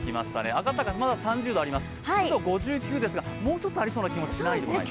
赤坂、まだ３０度あります、湿度５９ですが、もうちょっとありそうな気がしないでもない。